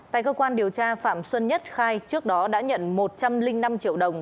tại cơ quan điều tra phạm xuân nhất khai trước đó đã nhận một trăm linh năm triệu đồng